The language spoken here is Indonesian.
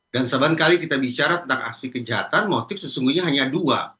dan seban kali kita bicara tentang aksi kejahatan motif sesungguhnya hanya dua